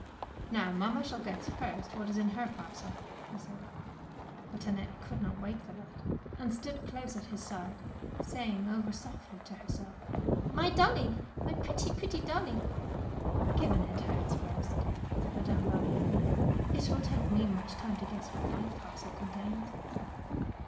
Now, mamma shall guess first what is in her parcel,^' he said; but Annette could not wait for that, and stood close at his side, saying over softly to herself, —" My dolly, my pretty, pretty dolly." Give Annette hers first," said Madame Valvier; '4t will take me much time to guess what my parcel contains.